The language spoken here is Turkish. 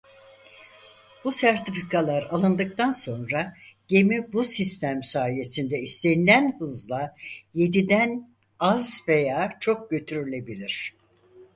Bu sertifikalar alındıktan sonra gemi bu sistem sayesinde istenilen hızla yedi den az veya çok götürülebilir.